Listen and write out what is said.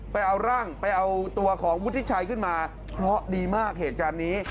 ไปเอาร่างไปเอาตัวของวุฒิชัยขึ้นมาเพราะดีมากเหตุการณ์นี้